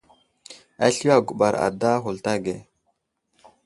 Asliyo aguɓar ada ghulta age.